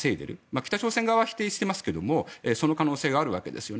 北朝鮮側は否定していますけどその可能性があるわけですよね。